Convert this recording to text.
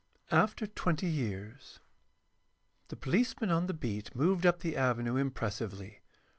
AFTER TWENTY YEARS The policeman on the beat moved up the avenue impressively.